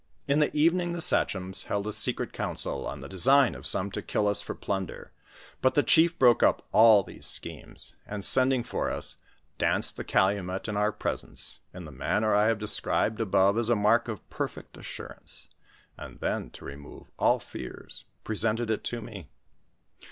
In the evening the sachems held a secret council on the de sign of some to kill us for plunder, but the chief broke up all these schemes, and sending for us, danced the calumet in our presence, in the manner I have described above, as a mark of perfect assurance ; and then, to remove all fears, presented it to me.